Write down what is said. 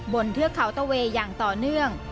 เทือกเขาตะเวยอย่างต่อเนื่อง